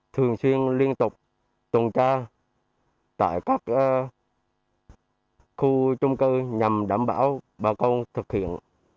thường xuyên liên tục tuần tra tại các khu trung cư nhằm đảm bảo bà con thực hiện